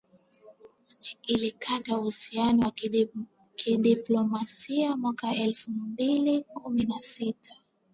ilikata uhusiano wa kidiplomasia mwaka elfu mbili kumi na sita